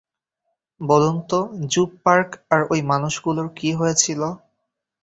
বলুন তো, জুপ পার্ক আর ঐ মানুষগুলোর কী হয়েছিল?